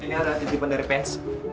ini ada titipan dari pens